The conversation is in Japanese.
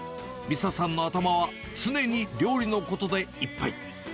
美沙さんの頭は常に料理のことでいっぱい。